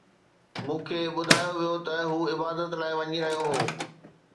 مون کي ٻڌايو ويو ته هو عبادت لاءِ وڃي رهيو هو